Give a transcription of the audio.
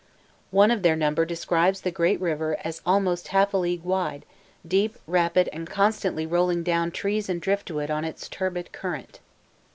One of their number describes the great river as almost half a league wide, deep, rapid, and constantly rolling down trees and drift wood on its turbid current.